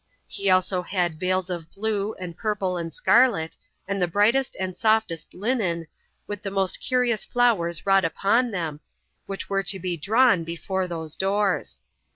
He also had veils of blue, and purple, and scarlet, and the brightest and softest linen, with the most curious flowers wrought upon them, which were to be drawn before those doors.